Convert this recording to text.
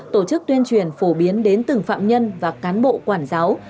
tổ chức tuyên truyền phổ biến đến từng phạm nhân và cán bộ quản giáo